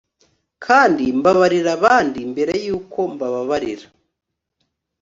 kandi mbabarira abandi mbere yuko mbabarira